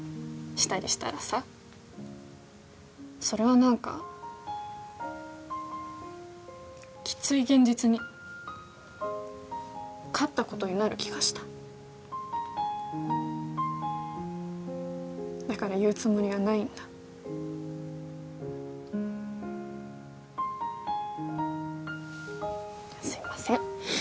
したりしたらさそれは何かきつい現実に勝ったことになる気がしただから言うつもりはないんだすいません